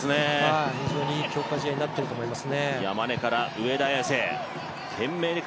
非常にいい強化試合になってると思います。